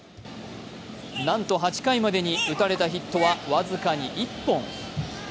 なんと８回までに打たれたヒットは僅かに１本。